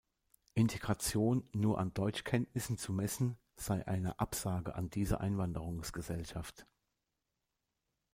Integration nur an Deutschkenntnissen zu messen, sei eine Absage an diese Einwanderungsgesellschaft.